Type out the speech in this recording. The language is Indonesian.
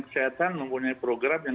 kesehatan mempunyai program yang